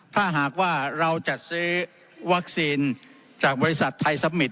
ถ้าหากว่าเราจัดซื้อวัคซีนจากบริษัทไทยสมิตร